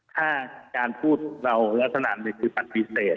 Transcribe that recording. ถ้าการพูดเล่าลักษณะเป็นคือภัตริเศษ